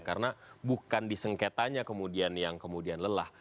karena bukan di sengketanya kemudian yang kemudian lelah